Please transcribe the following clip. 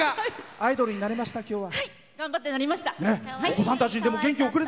アイドルになれましたかきょうは。